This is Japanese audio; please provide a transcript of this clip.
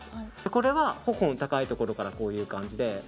これは頬の高いところからこういう感じで。